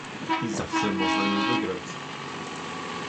I zawsze można ją wygrać!